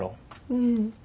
うん。